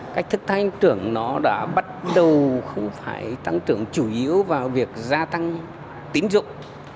cách thức tăng trưởng nó đã bắt đầu không phải tăng trưởng chủ yếu vào việc gia tăng tín dụng